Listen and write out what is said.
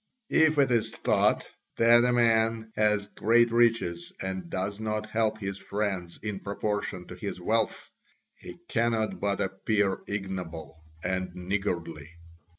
If it is thought that a man has great riches and does not help his friends in proportion to his wealth, he cannot but appear ignoble and niggardly.